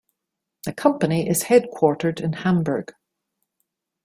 The company is headquartered in Hamburg.